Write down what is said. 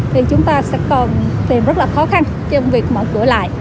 thì chúng ta sẽ còn tìm rất là khó khăn trong việc mở cửa lại